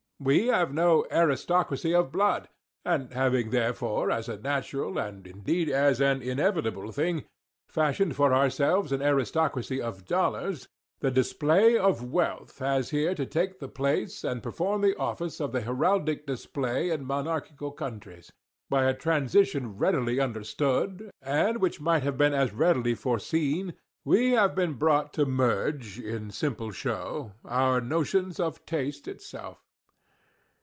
We have no aristocracy of blood, and having therefore as a natural, and indeed as an inevitable thing, fashioned for ourselves an aristocracy of dollars, the _display of wealth _has here to take the place and perform the office of the heraldic display in monarchical countries. By a transition readily understood, and which might have been as readily foreseen, we have been brought to merge in simple show our notions of taste itself.